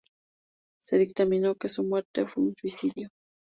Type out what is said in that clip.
Se dictaminó que su muerte fue un suicidio.